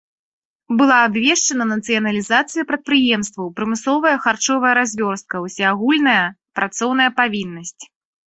Была абвешчана нацыяналізацыя прадпрыемстваў, прымусовая харчовая развёрстка, усеагульная працоўная павіннасць.